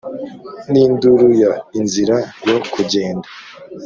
n'induru ya "inzira yo kugenda!"?